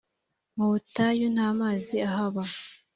mubutayu ntamazi ahaba.